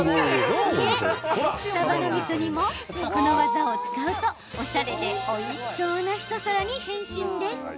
さばのみそ煮も、この技を使うとおしゃれでおいしそうな一皿に変身です。